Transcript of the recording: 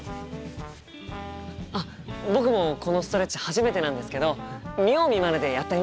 あっ僕もこのストレッチ初めてなんですけど見よう見まねでやってみます。